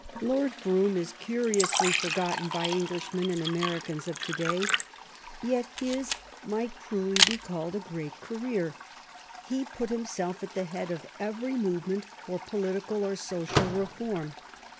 Lord Brougham is curiously forgotten by Englishmen and Americans of to day. Yet his might truly be called a great career. He put himself at the head of every movement for political or social reform.